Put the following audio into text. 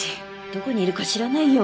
どこにいるか知らないよ。